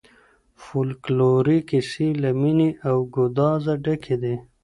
فولکلوري کیسې له مینې او ګدازه ډکي دي.